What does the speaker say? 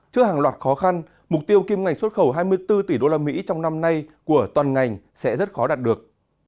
trước hàng loạt khó khăn mục tiêu kim ngạch xuất khẩu hai mươi bốn tỷ usd trong năm nay của toàn ngành sẽ rất khó đạt được